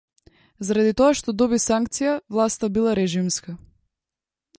Заради тоа што доби санкција, власта била режимска